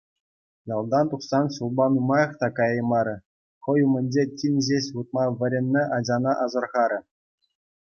Ялтан тухсан ҫулпа нумаях та каяймарӗ хӑй умӗнче тин ҫеҫ утма вӗреннӗ ачана асӑрхарӗ.